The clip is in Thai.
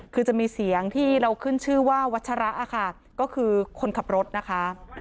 คือจะมีเสียงที่เราขึ้นชื่อว่าวัชระค่ะก็คือคนขับรถนะคะ